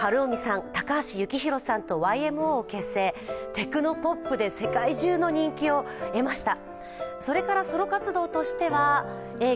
テクノポップで世界中の人気を得ました。